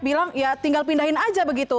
bilang ya tinggal pindahin aja begitu